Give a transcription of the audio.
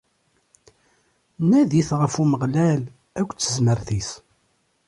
Nadit ɣef Umeɣlal akked tezmert-is!